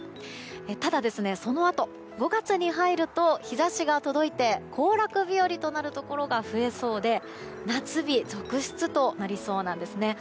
ただ、そのあと５月に入ると日差しが届いて行楽日和となるところが増えそうで夏日続出となりそうなんです。